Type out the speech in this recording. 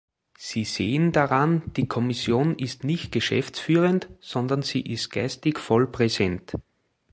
Sie sehen daran, die Kommission ist nicht geschäftsführend, sondern sie ist geistig voll präsent.